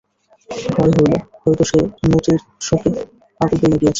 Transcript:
ভয় হইল, হয়তো সে নোটের শোকে পাগল হইয়া গিয়াছে।